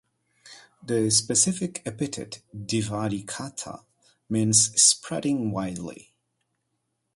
The specific epithet ("divaricata") means "spreading widely".